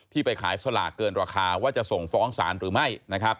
ไปขายสลากเกินราคาว่าจะส่งฟ้องศาลหรือไม่